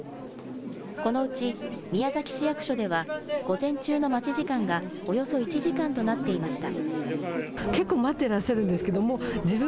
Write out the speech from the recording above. このうち宮崎市役所では午前中の待ち時間がおよそ１時間となっていました。